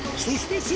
そして